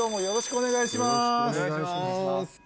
よろしくお願いします。